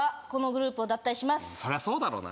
そりゃそうだろうな